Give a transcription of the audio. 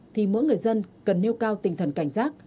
thì mỗi người dân cần nêu cao tinh thần cảnh giác